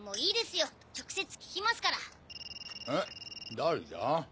誰じゃ？